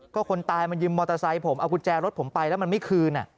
ก็คนตายมันยืมมอเตอร์ไซค์ผมเอากุญแจรถผมไปแล้วมันไม่คืน